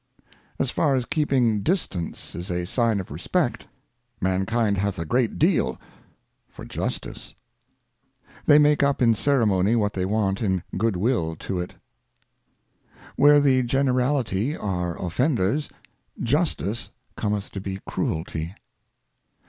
Jti.itice. AS far as keeping distance is a sign of Respect, Mankind hath a great deal for Justice. They make up in Ceremony what they want in Good will to it. Where and Reflections. 253 Where the GeneraUty are Offenders^ Justice cometh to be Cruelty.